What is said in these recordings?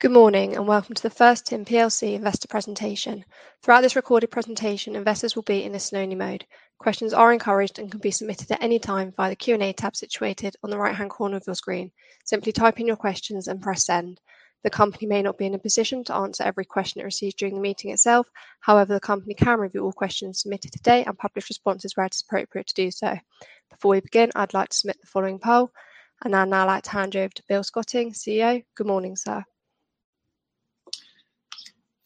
Good morning and welcome to the First Tin Plc investor presentation. Throughout this recorded presentation, investors will be in a listen only mode. Questions are encouraged and can be submitted at any time via the Q&A tab situated on the right-hand corner of your screen. Simply type in your questions and press send. The company may not be in a position to answer every question it receives during the meeting itself. However, the company can review all questions submitted today and publish responses where it is appropriate to do so. Before we begin, I'd like to submit the following poll. I'd now like to hand you over to Bill Scotting, CEO.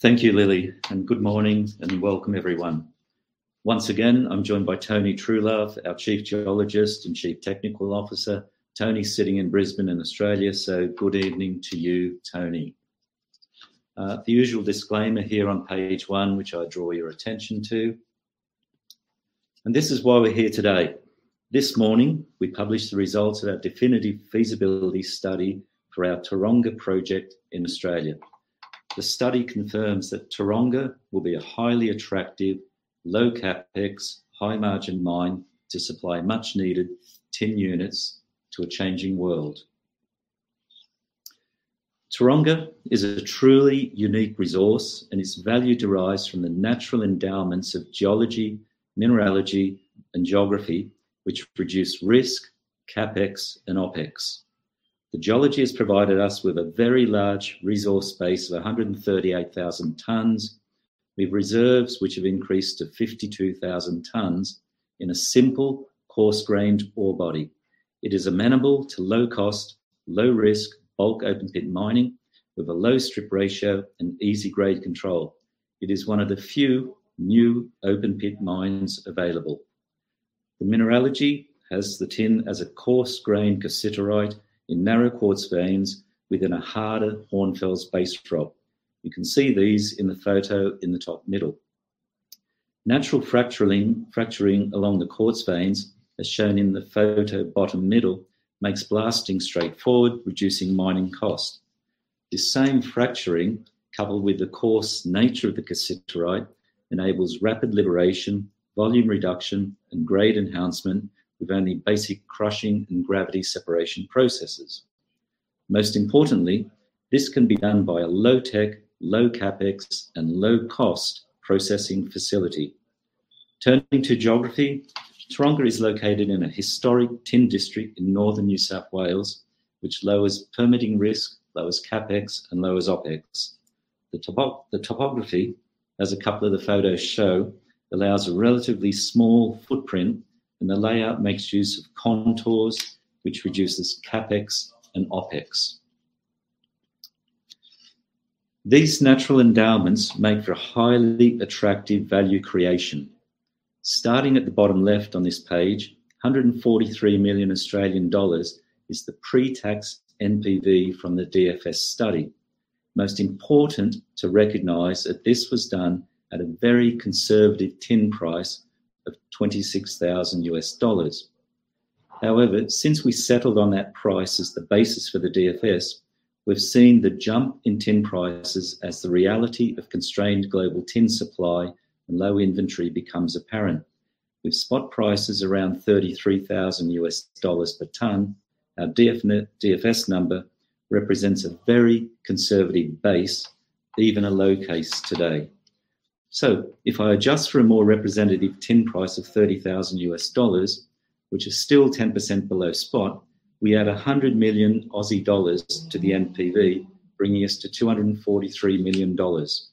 Good morning, sir. Thank you, Lily, and good morning and welcome everyone. Once again, I'm joined by Tony Truelove, our Chief Geologist and Chief Technical Officer. Tony's sitting in Brisbane in Australia. Good evening to you, Tony. The usual disclaimer here on page one, which I draw your attention to. This is why we're here today. This morning, we published the results of our definitive feasibility study for our Taronga project in Australia. The study confirms that Taronga will be a highly attractive, low CapEx, high margin mine to supply much needed tin units to a changing world. Taronga is a truly unique resource, and its value derives from the natural endowments of geology, mineralogy and geography, which produce risk, CapEx and OpEx. The geology has provided us with a very large resource base of 138,000 tons. We have reserves which have increased to 52,000 tons in a simple, coarse grained ore body. It is amenable to low cost, low risk, bulk open pit mining with a low strip ratio and easy grade control. It is one of the few new open pit mines available. The mineralogy has the tin as a coarse grain cassiterite in narrow quartz veins within a harder hornfels base rock. You can see these in the photo in the top middle. Natural fracturing along the quartz veins, as shown in the photo bottom middle, makes blasting straightforward, reducing mining cost. This same fracturing, coupled with the coarse nature of the cassiterite, enables rapid liberation, volume reduction and grade enhancement with only basic crushing and gravity separation processes. Most importantly, this can be done by a low tech, low CapEx and low cost processing facility. Turning to geography, Taronga is located in a historic tin district in northern New South Wales, which lowers permitting risk, lowers CapEx and lowers OpEx. The topography, as a couple of the photos show, allows a relatively small footprint and the layout makes use of contours which reduces CapEx and OpEx. These natural endowments make for highly attractive value creation. Starting at the bottom left on this page, 143 million Australian dollars is the pre-tax NPV from the DFS study. Most important to recognize that this was done at a very conservative tin price of $26,000. However, since we settled on that price as the basis for the DFS, we've seen the jump in tin prices as the reality of constrained global tin supply and low inventory becomes apparent. With spot prices around $33,000 per ton, our DFS number represents a very conservative base, even a low case today. If I adjust for a more representative tin price of $30,000, which is still 10% below spot, we add 100 million Aussie dollars to the NPV, bringing us to 243 million dollars.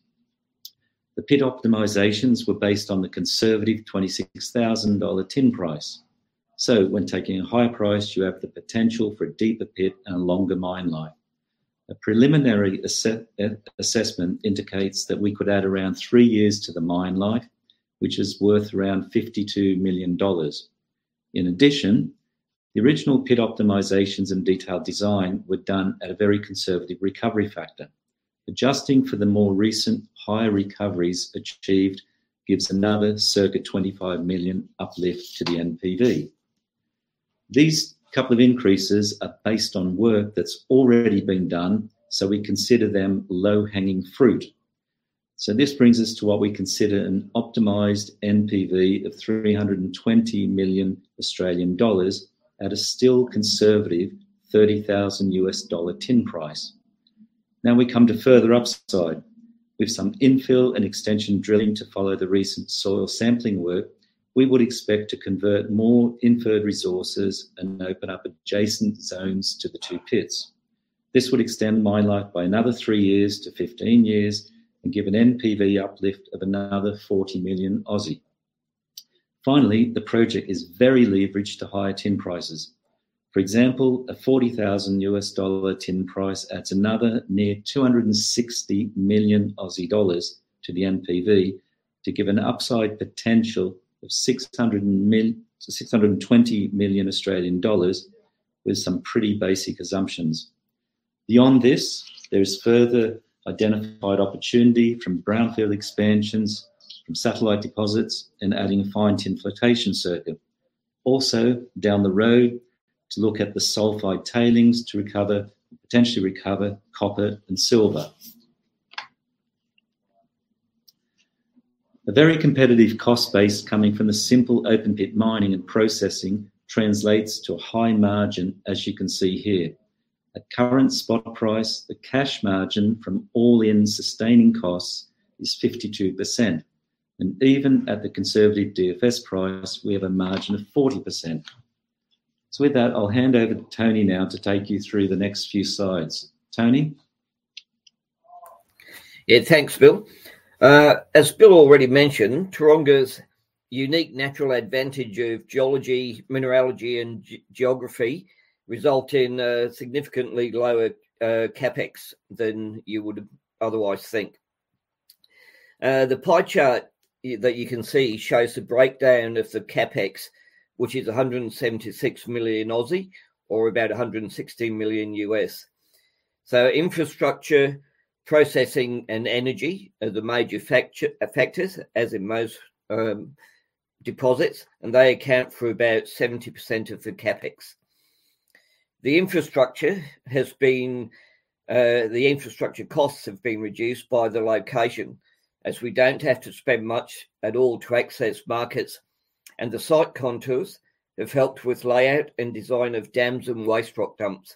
The pit optimizations were based on the conservative $26,000 tin price. When taking a higher price, you have the potential for a deeper pit and a longer mine life. A preliminary assessment indicates that we could add around three years to the mine life, which is worth around $52 million. In addition, the original pit optimizations and detailed design were done at a very conservative recovery factor. Adjusting for the more recent higher recoveries achieved gives another circa 25 million uplift to the NPV. These couple of increases are based on work that's already been done, so we consider them low hanging fruit. This brings us to what we consider an optimized NPV of 320 million Australian dollars at a still conservative $30,000 tin price. Now we come to further upside. With some infill and extension drilling to follow the recent soil sampling work, we would expect to convert more inferred resources and open up adjacent zones to the two pits. This would extend mine life by another three years to 15 years and give an NPV uplift of another 40 million. Finally, the project is very leveraged to higher tin prices. For example, a $40,000 US dollar tin price adds another near 260 million Aussie dollars to the NPV to give an upside potential of 620 million Australian dollars with some pretty basic assumptions. Beyond this, there is further identified opportunity from brownfield expansions, from satellite deposits and adding a fine tin flotation circuit. Also, down the road to look at the sulfide tailings to potentially recover copper and silver. A very competitive cost base coming from the simple open pit mining and processing translates to a high margin as you can see here. At current spot price, the cash margin from all-in sustaining costs is 52%. Even at the conservative DFS price, we have a margin of 40%. With that, I'll hand over to Tony now to take you through the next few slides. Tony. Yeah. Thanks, Bill. As Bill already mentioned, Taronga's unique natural advantage of geology, mineralogy, and geography result in a significantly lower CapEx than you would otherwise think. The pie chart that you can see shows the breakdown of the CapEx, which is 176 million or about $160 million. Infrastructure, processing, and energy are the major factors as in most deposits, and they account for about 70% of the CapEx. The infrastructure costs have been reduced by the location as we don't have to spend much at all to access markets. The site contours have helped with layout and design of dams and waste rock dumps.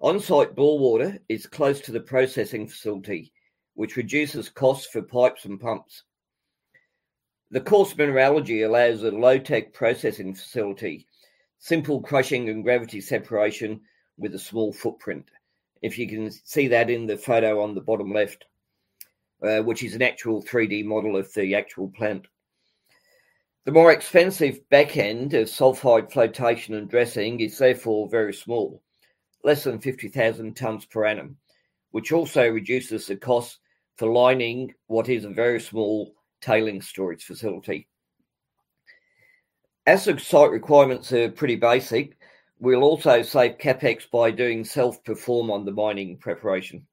On-site bore water is close to the processing facility, which reduces costs for pipes and pumps. The coarse mineralogy allows a low-tech processing facility. Simple crushing and gravity separation with a small footprint. If you can see that in the photo on the bottom left, which is an actual 3D model of the actual plant. The more expensive back end of sulfide flotation and dressing is therefore very small, less than 50,000 tons per annum, which also reduces the cost for lining what is a very small tailings storage facility. As the site requirements are pretty basic, we'll also save CapEx by doing self-perform on the mining preparation.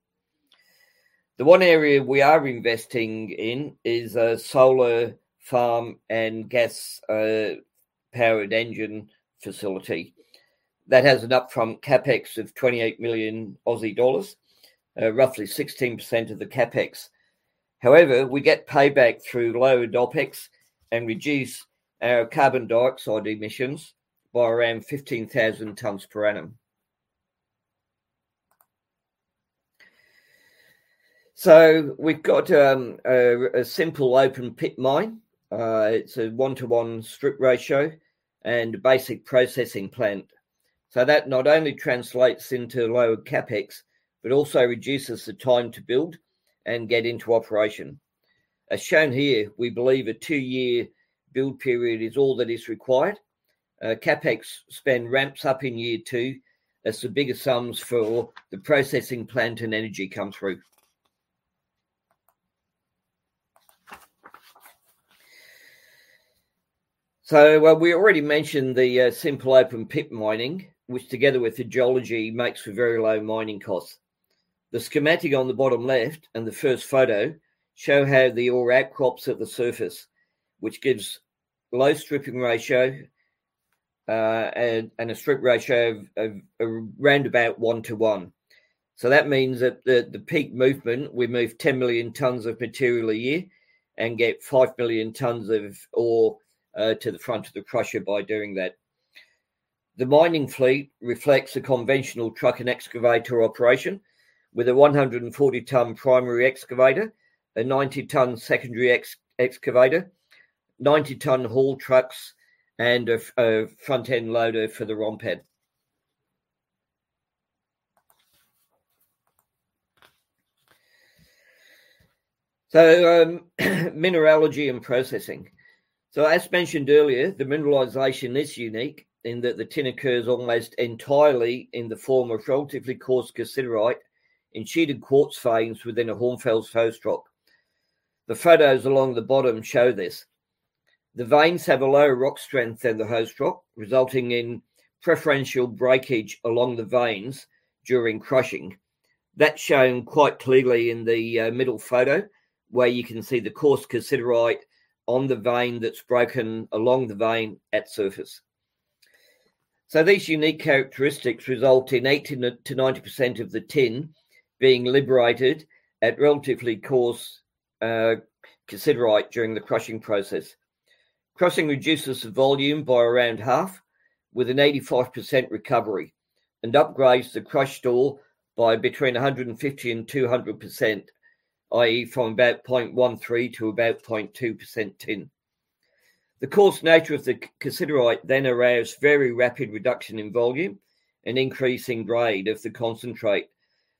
The one area we are investing in is a solar farm and gas powered engine facility. That has an upfront CapEx of 28 million Aussie dollars, roughly 16% of the CapEx. However, we get payback through lower OpEx and reduce our carbon dioxide emissions by around 15,000 tons per annum. We've got a simple open pit mine. It's a 1-to-1 strip ratio and basic processing plant. That not only translates into lower CapEx but also reduces the time to build and get into operation. As shown here, we believe a two-year build period is all that is required. CapEx spend ramps up in year two as the bigger sums for the processing plant and energy come through. We already mentioned the simple open pit mining, which together with the geology makes for very low mining costs. The schematic on the bottom left and the first photo show how the ore outcrops at the surface, which gives low stripping ratio and a strip ratio of around about 1-to-1. That means that the peak movement, we move 10 million tons of material a year and get 5 million tons of ore to the front of the crusher by doing that. The mining fleet reflects a conventional truck and excavator operation with a 140-ton primary excavator, a 90-ton secondary excavator, 90-ton haul trucks, and a front end loader for the ROM pad. Mineralogy and processing. As mentioned earlier, the mineralization is unique in that the tin occurs almost entirely in the form of relatively coarse cassiterite in sheeted quartz veins within a hornfels host rock. The photos along the bottom show this. The veins have a lower rock strength than the host rock, resulting in preferential breakage along the veins during crushing. That's shown quite clearly in the middle photo, where you can see the coarse cassiterite on the vein that's broken along the vein at surface. These unique characteristics result in 80%-90% of the tin being liberated at relatively coarse cassiterite during the crushing process. Crushing reduces the volume by around half with an 85% recovery and upgrades the crushed ore by between 150% and 200%, i.e. from about 0.13% to about 0.2% tin. The coarse nature of the cassiterite then allows very rapid reduction in volume and increasing grade of the concentrate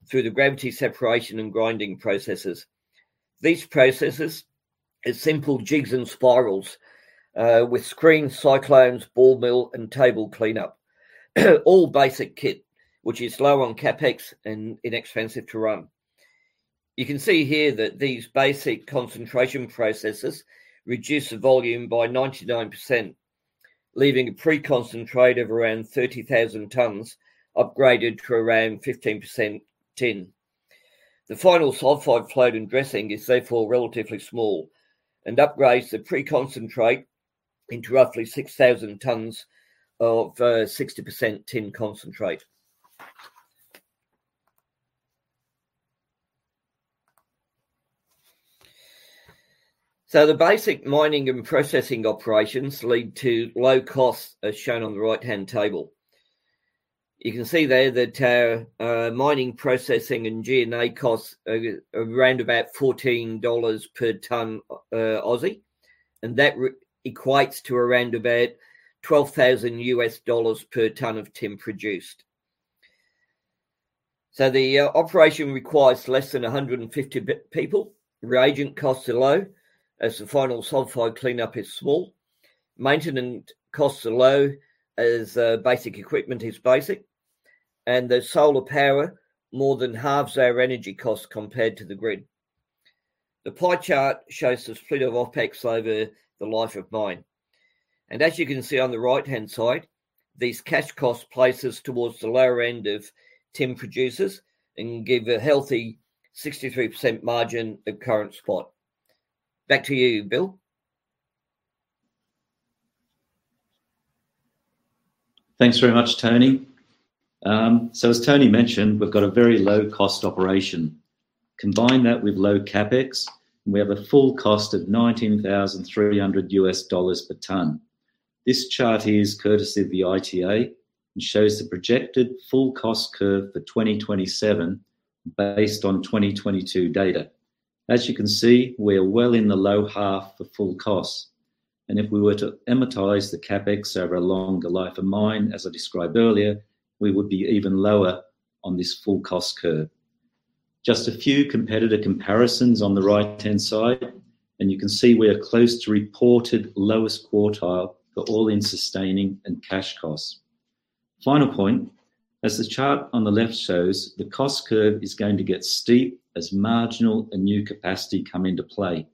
through the gravity separation and grinding processes. These processes is simple jigs and spirals with screen cyclones, ball mill, and table cleanup. All basic kit, which is low on CapEx and inexpensive to run. You can see here that these basic concentration processes reduce the volume by 99%, leaving a pre-concentrate of around 30,000 tons upgraded to around 15% tin. The final sulfide float and dressing is therefore relatively small and upgrades the pre-concentrate into roughly 6,000 tons of 60% tin concentrate. The basic mining and processing operations lead to low costs as shown on the right-hand table. You can see there that mining, processing, and G&A costs are around about AUD 14 per ton. That re-equates to around about $12,000 per ton of tin produced. The operation requires less than 150 people. Reagent costs are low as the final sulfide cleanup is small. Maintenance costs are low as basic equipment is basic. The solar power more than halves our energy costs compared to the grid. The pie chart shows the split of OpEx over the life of mine. As you can see on the right-hand side, these cash costs place us towards the lower end of tin producers and give a healthy 63% margin at current spot. Back to you, Bill. Thanks very much, Tony. So as Tony mentioned, we've got a very low-cost operation. Combine that with low CapEx, and we have a full cost of $19,300 per ton. This chart here is courtesy of the ITA and shows the projected full cost curve for 2027 based on 2022 data. As you can see, we're well in the low half for full costs. If we were to amortize the CapEx over a longer life of mine, as I described earlier, we would be even lower on this full cost curve. Just a few competitor comparisons on the right-hand side, and you can see we are close to reported lowest quartile for all-in sustaining and cash costs. Final point, as the chart on the left shows, the cost curve is going to get steep as marginal and new capacity come into play.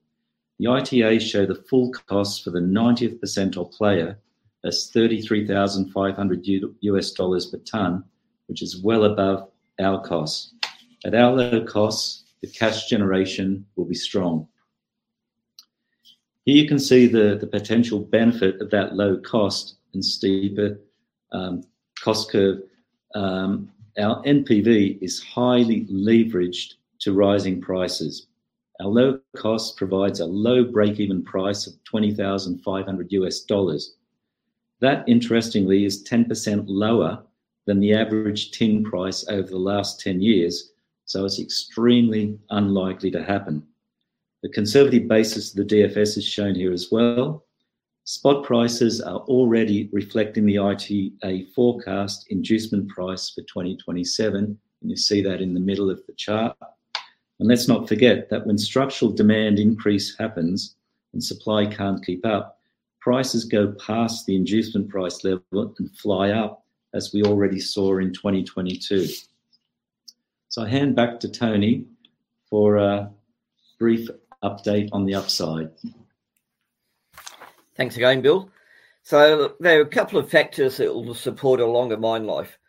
The ITA show the full cost for the 90th percentile player as $33,500 per ton, which is well above our cost. At our lower costs, the cash generation will be strong. Here you can see the potential benefit of that low cost and steeper cost curve. Our NPV is highly leveraged to rising prices. Our low cost provides a low breakeven price of $20,500. That, interestingly, is 10% lower than the average tin price over the last 10 years, so it's extremely unlikely to happen. The conservative basis of the DFS is shown here as well. Spot prices are already reflecting the ITA forecast inducement price for 2027, and you see that in the middle of the chart. Let's not forget that when structural demand increase happens and supply can't keep up, prices go past the inducement price level and fly up as we already saw in 2022. I hand back to Tony for a brief update on the upside. Thanks again, Bill. There are a couple of factors that will support a longer mine life.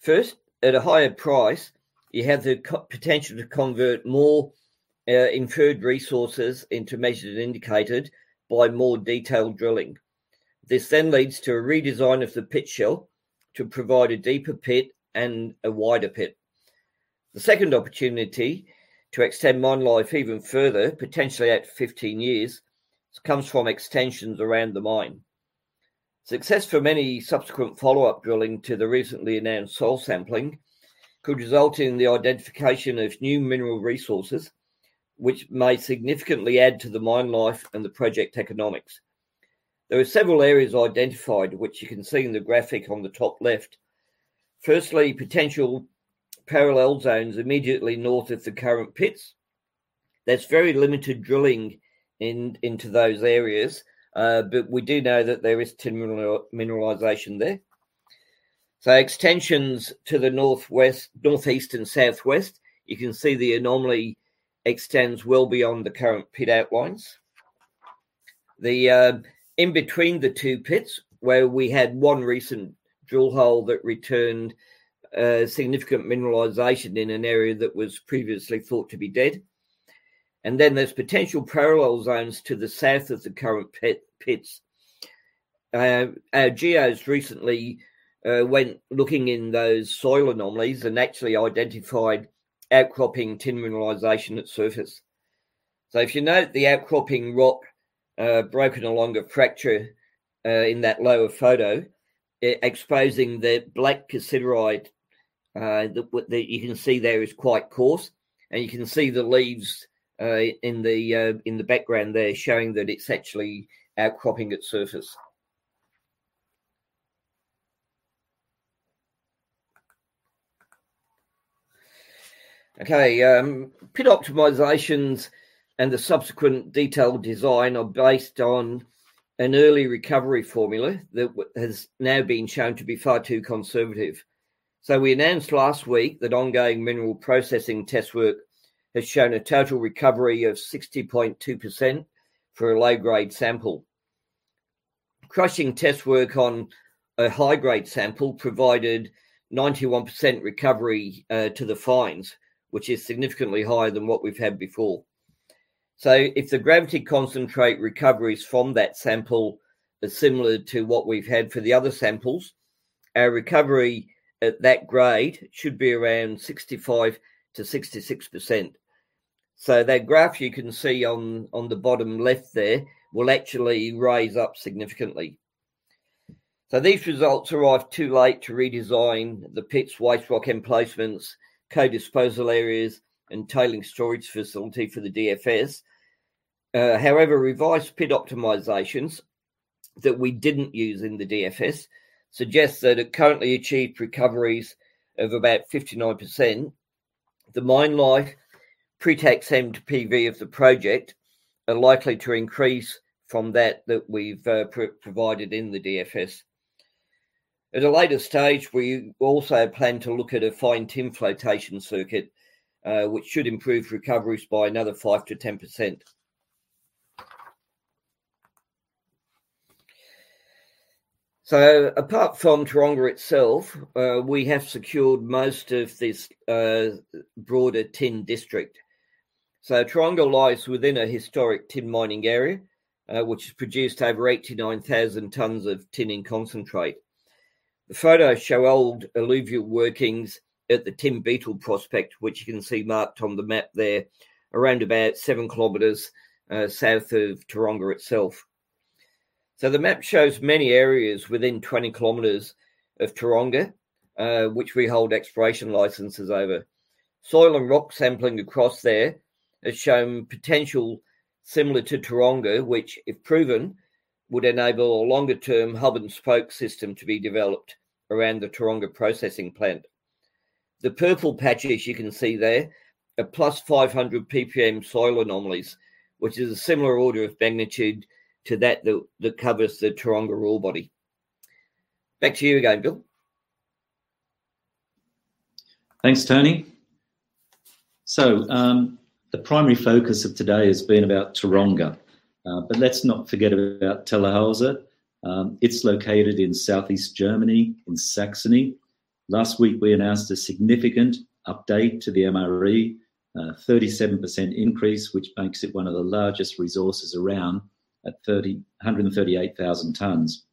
First, at a higher price, you have the potential to convert more inferred resources into measured and indicated by more detailed drilling. This then leads to a redesign of the pit shell to provide a deeper pit and a wider pit. The second opportunity to extend mine life even further, potentially out to 15 years, comes from extensions around the mine. Success from any subsequent follow-up drilling to the recently announced soil sampling could result in the identification of new mineral resources, which may significantly add to the mine life and the project economics. There are several areas identified, which you can see in the graphic on the top left. Firstly, potential parallel zones immediately north of the current pits. There's very limited drilling into those areas, but we do know that there is tin mineralization there. Extensions to the northwest, northeast, and southwest. You can see the anomaly extends well beyond the current pit outlines. In between the two pits where we had one recent drill hole that returned significant mineralization in an area that was previously thought to be dead. There's potential parallel zones to the south of the current pits. Our geos recently went looking in those soil anomalies and actually identified outcropping tin mineralization at surface. If you note the outcropping rock broken along a fracture in that lower photo, it exposing the black cassiterite that you can see there is quite coarse. You can see the leaves in the background there showing that it's actually outcropping at surface. Okay, pit optimizations and the subsequent detailed design are based on an early recovery formula that has now been shown to be far too conservative. We announced last week that ongoing mineral processing test work has shown a total recovery of 60.2% for a low-grade sample. Crushing test work on a high-grade sample provided 91% recovery to the fines, which is significantly higher than what we've had before. If the gravity concentrate recoveries from that sample are similar to what we've had for the other samples, our recovery at that grade should be around 65%-66%. That graph you can see on the bottom left there will actually rise up significantly. These results arrived too late to redesign the pits waste rock emplacements, co-disposal areas and tailings storage facility for the DFS. However, revised pit optimizations that we didn't use in the DFS suggest that at currently achieved recoveries of about 59%, the mine life pre-tax NPV of the project are likely to increase from that we've provided in the DFS. At a later stage, we also plan to look at a fine tin flotation circuit, which should improve recoveries by another 5%-10%. Apart from Taronga itself, we have secured most of this broader tin district. Taronga lies within a historic tin mining area, which has produced over 89,000 tons of tin in concentrate. The photos show old alluvial workings at the Tin Beetle Prospect, which you can see marked on the map there around about 7 km south of Taronga itself. The map shows many areas within 20 km of Taronga, which we hold exploration licenses over. Soil and rock sampling across there has shown potential similar to Taronga, which, if proven, would enable a longer-term hub-and-spoke system to be developed around the Taronga processing plant. The purple patches you can see there are +500 ppm soil anomalies, which is a similar order of magnitude to that that covers the Taronga ore body. Back to you again, Bill. Thanks, Tony. The primary focus of today has been about Taronga, but let's not forget about Tellerhäuser. It's located in Southeast Germany in Saxony. Last week, we announced a significant update to the MRE, a 37% increase, which makes it one of the largest resources around at 338,000 tons.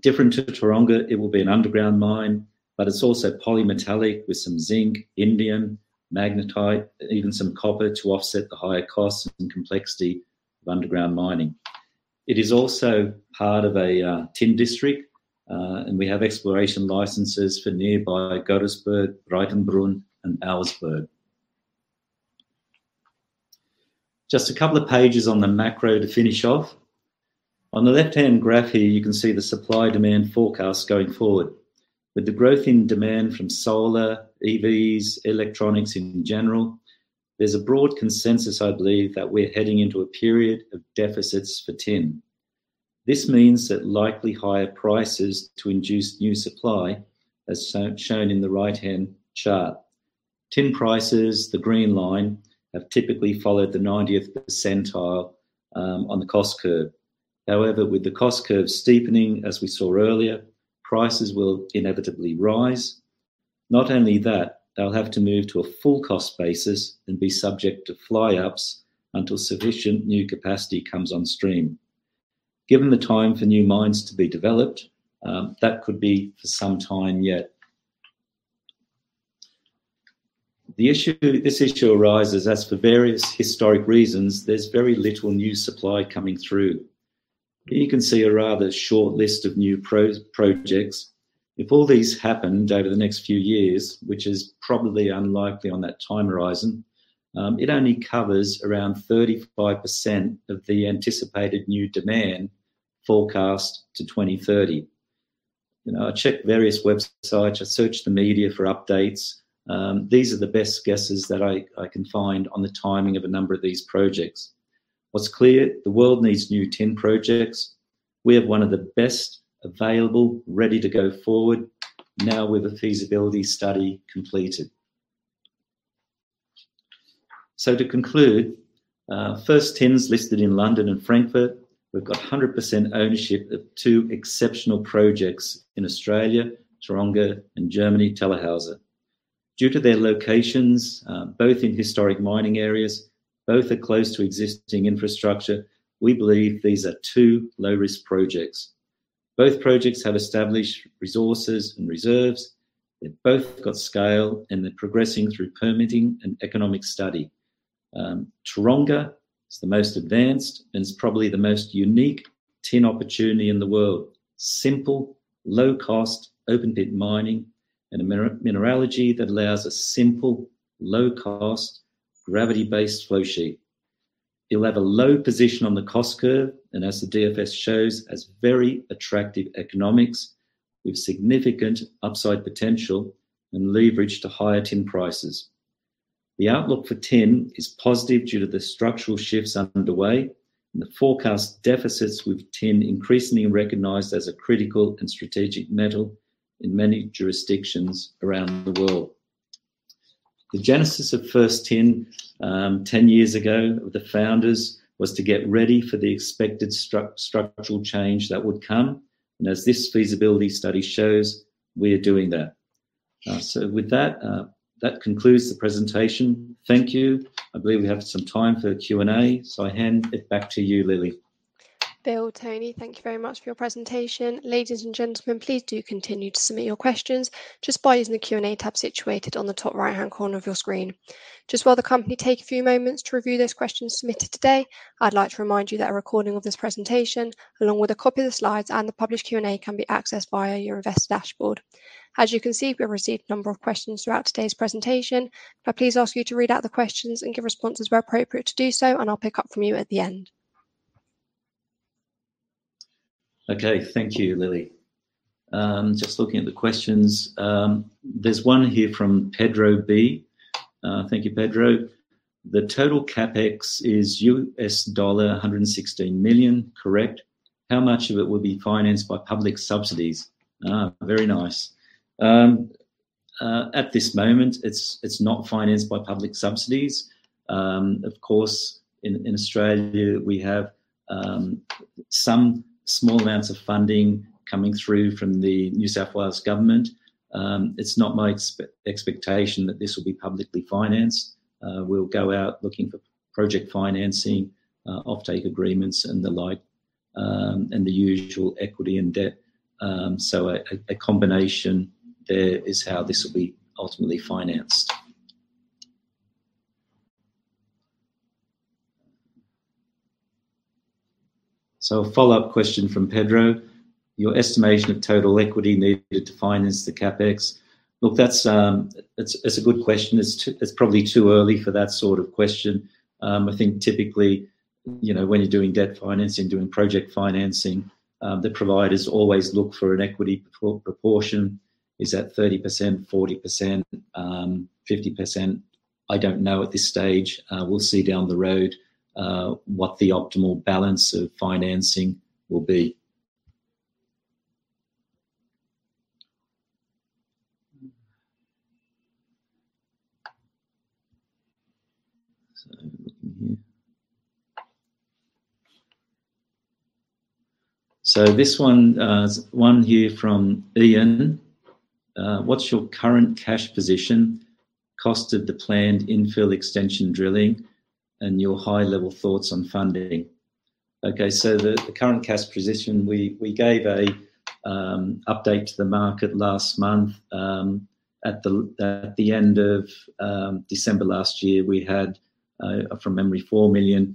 Different to Taronga, it will be an underground mine, but it's also polymetallic with some zinc, indium, magnetite, even some copper to offset the higher costs and complexity of underground mining. It is also part of a tin district, and we have exploration licenses for nearby Gottesberg, Reichenbrunn and Auersberg. Just a couple of pages on the macro to finish off. On the left-hand graph here, you can see the supply-demand forecast going forward. With the growth in demand from solar, EVs, electronics in general, there's a broad consensus, I believe, that we're heading into a period of deficits for tin. This means that likely higher prices to induce new supply, as shown in the right-hand chart. Tin prices, the green line, have typically followed the 90th percentile on the cost curve. However, with the cost curve steepening as we saw earlier, prices will inevitably rise. Not only that, they'll have to move to a full cost basis and be subject to fly-ups until sufficient new capacity comes on stream. Given the time for new mines to be developed, that could be for some time yet. This issue arises as for various historic reasons there's very little new supply coming through. Here you can see a rather short list of new projects. If all these happened over the next few years, which is probably unlikely on that time horizon, it only covers around 35% of the anticipated new demand forecast to 2030. You know, I checked various websites. I searched the media for updates. These are the best guesses that I can find on the timing of a number of these projects. What's clear, the world needs new tin projects. We have one of the best available ready to go forward now with the feasibility study completed. To conclude, First Tin's listed in London and Frankfurt. We've got 100% ownership of two exceptional projects in Australia, Taronga, and Germany, Tellerhäuser. Due to their locations, both in historic mining areas, both are close to existing infrastructure. We believe these are two low-risk projects. Both projects have established resources and reserves. They've both got scale, and they're progressing through permitting and economic study. Taronga is the most advanced and is probably the most unique tin opportunity in the world. Simple, low cost, open pit mining and a mineralogy that allows a simple, low cost, gravity-based flow sheet. It'll have a low position on the cost curve and as the DFS shows, has very attractive economics with significant upside potential and leverage to higher tin prices. The outlook for tin is positive due to the structural shifts underway and the forecast deficits with tin increasingly recognized as a critical and strategic metal in many jurisdictions around the world. The genesis of First Tin 10 years ago with the founders was to get ready for the expected structural change that would come. And as this feasibility study shows, we are doing that. With that concludes the presentation. Thank you. I believe we have some time for Q&A. I hand it back to you, Lily. Bill, Tony, thank you very much for your presentation. Ladies and gentlemen, please do continue to submit your questions just by using the Q&A tab situated on the top right-hand corner of your screen. Just while the company take a few moments to review those questions submitted today, I'd like to remind you that a recording of this presentation, along with a copy of the slides and the published Q&A, can be accessed via your investor dashboard. As you can see, we have received a number of questions throughout today's presentation. If I please ask you to read out the questions and give responses where appropriate to do so, and I'll pick up from you at the end. Okay. Thank you, Lily. Just looking at the questions. There's one here from Pedro B. Thank you, Pedro. "The total CapEx is $116 million," correct. "How much of it will be financed by public subsidies?" Very nice. At this moment, it's not financed by public subsidies. Of course, in Australia we have some small amounts of funding coming through from the New South Wales government. It's not my expectation that this will be publicly financed. We'll go out looking for project financing, offtake agreements and the like, and the usual equity and debt. A combination there is how this will be ultimately financed. A follow-up question from Pedro. "Your estimation of total equity needed to finance the CapEx." Look, that's a good question. It's probably too early for that sort of question. I think typically, you know, when you're doing debt financing, doing project financing, the providers always look for an equity proportion. Is that 30%, 40%, 50%? I don't know at this stage. We'll see down the road what the optimal balance of financing will be. Looking here. This one is one here from Ian. "What's your current cash position, cost of the planned infill extension drilling, and your high-level thoughts on funding?" Okay, the current cash position, we gave an update to the market last month. At the end of December last year, we had, from memory, $4 million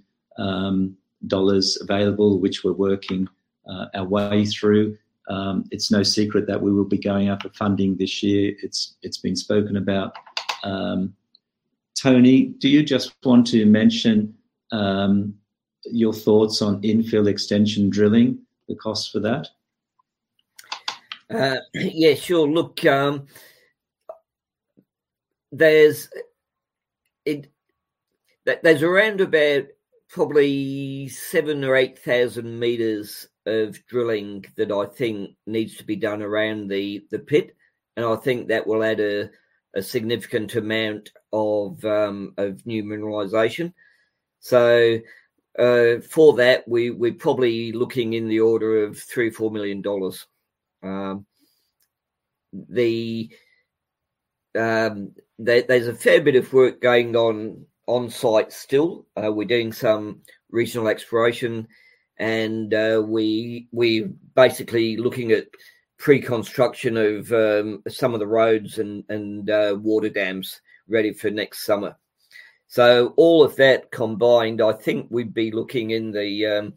available, which we're working our way through. It's no secret that we will be going out for funding this year. It's been spoken about. Tony, do you just want to mention your thoughts on infill extension drilling, the cost for that? Yeah, sure. Look, there's around about probably 7,000 or 8,000 meters of drilling that I think needs to be done around the pit. I think that will add a significant amount of new mineralization. For that, we're probably looking in the order of 3 million-4 million dollars. There's a fair bit of work going on on-site still. We're doing some regional exploration and we're basically looking at pre-construction of some of the roads and water dams ready for next summer. All of that combined, I think we'd be looking in the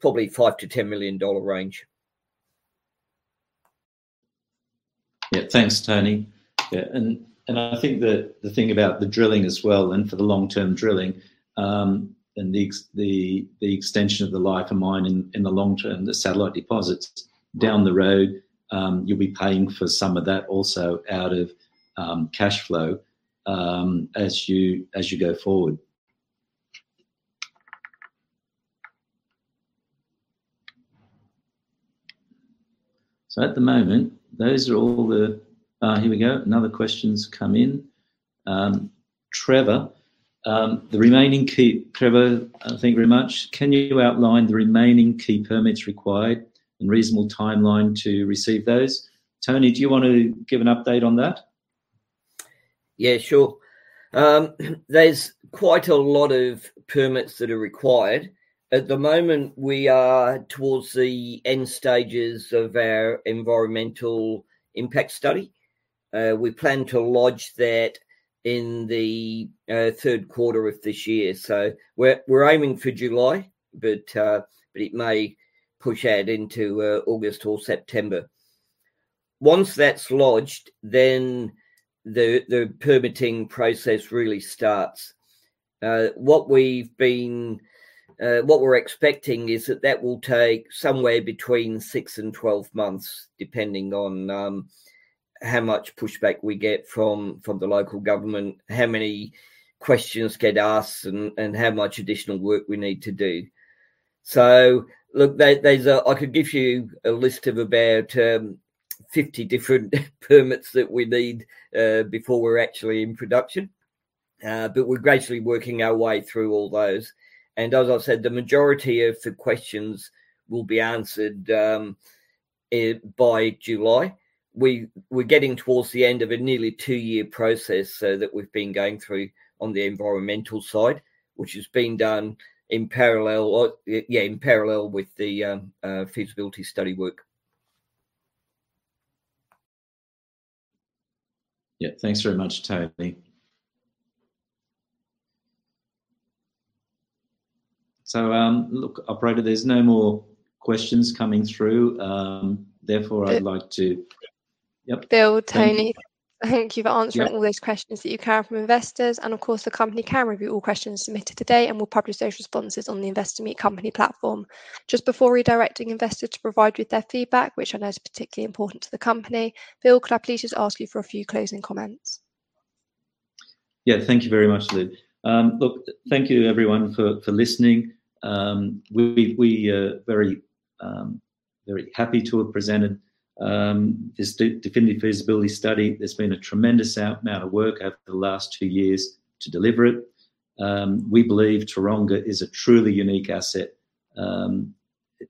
probably 5 million-10 million dollar range. Yeah. Thanks, Tony. Yeah. I think the thing about the drilling as well and for the long-term drilling and the extension of the life of mine in the long term, the satellite deposits down the road, you'll be paying for some of that also out of cash flow as you go forward. Here we go. Another question's come in. Trevor, thank you very much. "Can you outline the remaining key permits required and reasonable timeline to receive those?" Tony, do you want to give an update on that? Yeah, sure. There's quite a lot of permits that are required. At the moment, we are towards the end stages of our Environmental Impact Study. We plan to lodge that in the third quarter of this year. We're aiming for July. It may push out into August or September. Once that's lodged, the permitting process really starts. What we're expecting is that that will take somewhere between six and 12 months, depending on how much pushback we get from the local government, how many questions get asked and how much additional work we need to do. Look, there's a list of about 50 different permits that we need before we're actually in production. We're gradually working our way through all those. As I've said, the majority of the questions will be answered by July. We're getting towards the end of a nearly two-year process that we've been going through on the environmental side, which is being done in parallel with the feasibility study work. Yeah. Thanks very much, Tony. Look, operator, there's no more questions coming through. Therefore, I'd like to- Bill. Yep. Bill, Tony, thank you for answering. Yeah All those questions that you can from investors, and of course, the company can review all questions submitted today, and we'll publish those responses on the Investor Meet Company platform. Just before redirecting investors to provide you with their feedback, which I know is particularly important to the company, Bill, could I please just ask you for a few closing comments? Yeah. Thank you very much, Lily. Look, thank you everyone for listening. We very happy to have presented this definitive feasibility study. There's been a tremendous amount of work over the last two years to deliver it. We believe Taronga is a truly unique asset.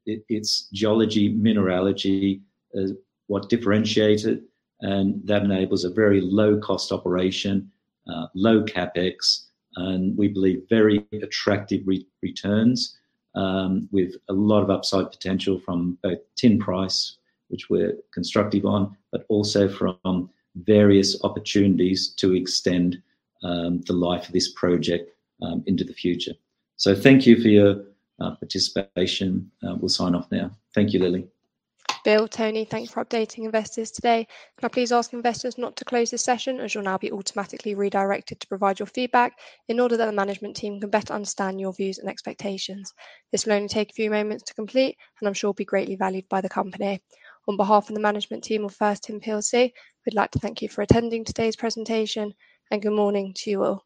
Its geology, mineralogy is what differentiate it, and that enables a very low cost operation, low CapEx, and we believe very attractive returns, with a lot of upside potential from both tin price, which we're constructive on, but also from various opportunities to extend the life of this project into the future. Thank you for your participation. We'll sign off now. Thank you, Lily. Bill, Tony, thanks for updating investors today. Can I please ask investors not to close this session, as you'll now be automatically redirected to provide your feedback in order that the management team can better understand your views and expectations. This will only take a few moments to complete, and I'm sure will be greatly valued by the company. On behalf of the management team of First Tin Plc, we'd like to thank you for attending today's presentation, and good morning to you all.